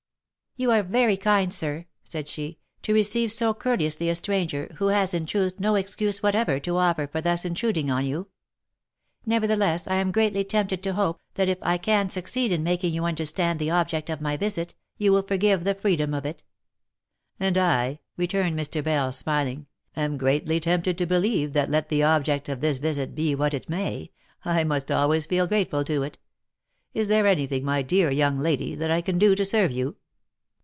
" You are very kind sir," said she, " to receive so courteously a stranger, who has in truth no excuse whatever to offer for thus intrud ing on you. Nevertheless, I am greatly tempted to hope, that if I can succeed in making you understand the object of my visit, you will forgive the freedom of it." " And I," returned Mr. Bell, smiling, " am greatly tempted to be lieve that let the object of this visit be what it may, I must always feel grateful to it. Is there any thing, my dear young lady, that I can do to serve you